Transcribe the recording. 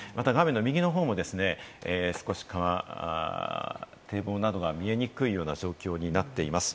画面の右の方も少し堤防などが見えにくいような状況になっています。